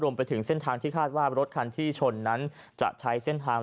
ไปถึงเส้นทางที่คาดว่ารถคันที่ชนนั้นจะใช้เส้นทาง